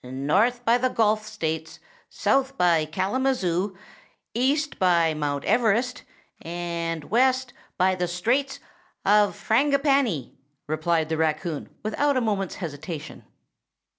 "North by the Gulf States, south by Kalamazoo, east by Mt. Everest, and west by the Straits of Frangipanni," replied the raccoon, without a moment's hesitation.